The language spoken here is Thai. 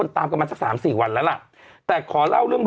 ให้พี่ไฟได้ใช้